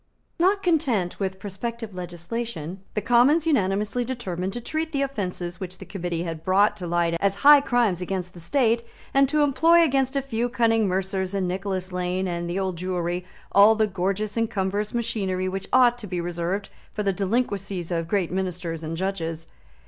Not content with prospective legislation, the Commons unanimously determined to treat the offences which the Committee had brought to light as high crimes against the State, and to employ against a few cunning mercers in Nicholas Lane and the Old Jewry all the gorgeous and cumbrous machinery which ought to be reserved for the delinquencies of great Ministers and Judges.